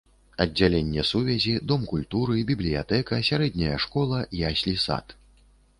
Аддзяленне сувязі, дом культуры, бібліятэка, сярэдняя школа, яслі-сад.